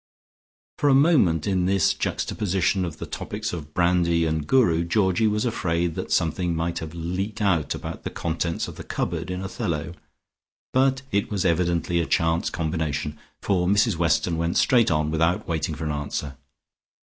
For a moment in this juxtaposition of the topics of brandy and Guru, Georgie was afraid that something might have leaked out about the contents of the cupboard in Othello. But it was evidently a chance combination, for Mrs Weston went straight on without waiting for an answer.